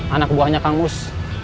anak buahnya kang mus